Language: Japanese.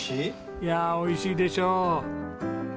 いやあ美味しいでしょう。